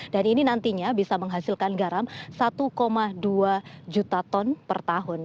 dan ini nantinya bisa menghasilkan garam satu dua juta ton per tahun